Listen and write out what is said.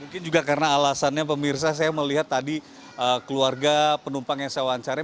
mungkin juga karena alasannya pemirsa saya melihat tadi keluarga penumpang yang saya wawancari